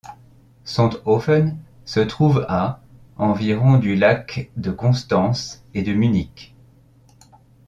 Sonthofen se trouve à environ du lac de Constance et de Munich.